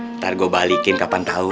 ntar gue balikin kapan tahu